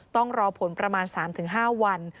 ต้องรอผลประมาณ๓๕วัน